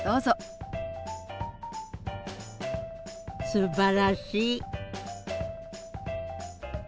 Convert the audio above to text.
すばらしい。